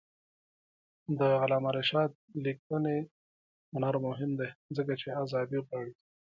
د علامه رشاد لیکنی هنر مهم دی ځکه چې آزادي غواړي.